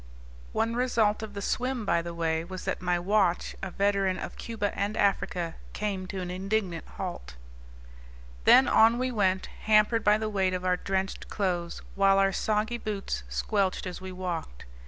One result of the swim, by the way, was that my watch, a veteran of Cuba and Africa, came to an indignant halt. Then on we went, hampered by the weight of our drenched clothes while our soggy boots squelched as we walked.